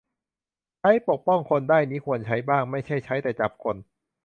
ใช้ปกป้องคนได้นี่ควรใช้บ้าง ไม่ใช่ใช้แต่จับคน